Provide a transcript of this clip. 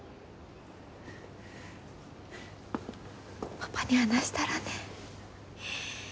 パパに話したらね。